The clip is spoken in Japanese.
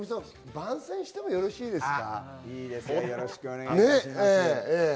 番宣してもよろしいですか？